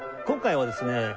今回はですね